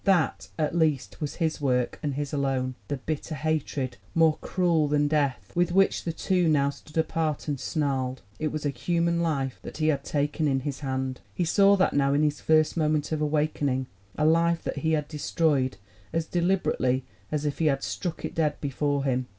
That, at least, was his work, and his alone the bitter hatred, more cruel than death, with which the two now stood apart and snarled. It was a human life that he had taken in his hand he saw that now in his first moment of awakening a life that he had destroyed as deliberately as if he had struck it dead before him.